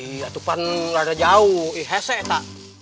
iya itu kan agak jauh ini gila